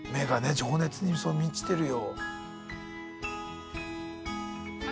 情熱に満ちてるよ。